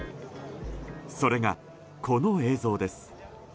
それがこの映像です。